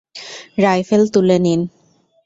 Rifle তুলে নিন।